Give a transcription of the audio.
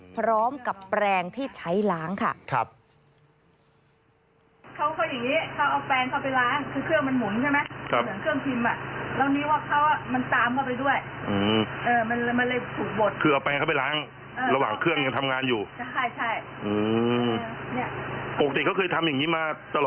พร้อมกับแปลงที่ใช้ล้างค่ะ